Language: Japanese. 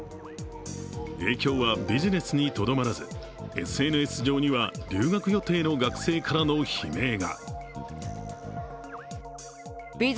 影響はビジネスにとどまらず、ＳＮＳ上には留学予定の学生からの悲鳴が。